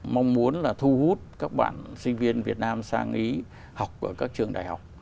mong muốn là thu hút các bạn sinh viên việt nam sang ý học ở các trường đại học